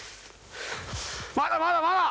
まだまだまだ！